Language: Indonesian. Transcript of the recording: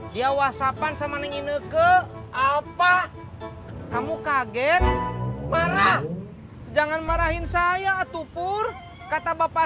kya wassapan sama nengi nekel apa kamu kagen marah jangan marahin saya aetuh pur kata bapak